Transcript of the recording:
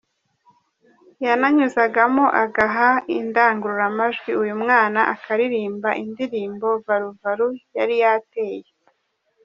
Yananyuzagamo agaha indangururamajwi uyu mwana akaririmba indirimbo 'Valu Valu' yari yateye.